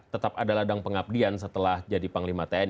tetap ada ladang pengabdian setelah jadi panglima tni